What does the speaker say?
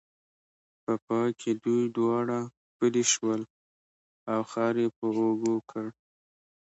په پای کې دوی دواړه پلي شول او خر یې په اوږو کړ.